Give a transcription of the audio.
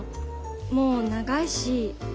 もう長いし。